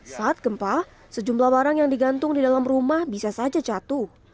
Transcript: saat gempa sejumlah barang yang digantung di dalam rumah bisa saja jatuh